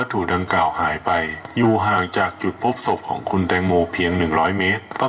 ดูค่ะดูค่ะ